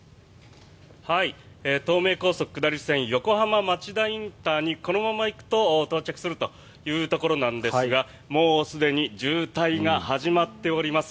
東名高速下り線横浜町田ＩＣにこのまま行くと到着するというところなんですがもうすでに渋滞が始まっております。